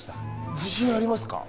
自信ありますか？